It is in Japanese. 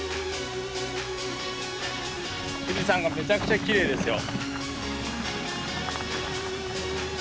富士山がめちゃくちゃきれいですよ。